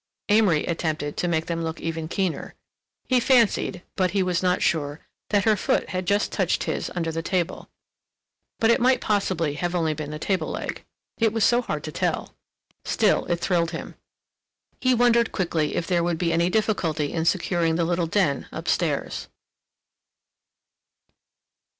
Amory attempted to make them look even keener. He fancied, but he was not sure, that her foot had just touched his under the table. But it might possibly have been only the table leg. It was so hard to tell. Still it thrilled him. He wondered quickly if there would be any difficulty in securing the little den up stairs.